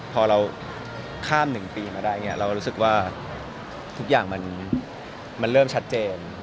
พอเราข้าม๑ปีมาได้เนี่ยเรารู้สึกว่าทุกอย่างมันเริ่มชัดเจน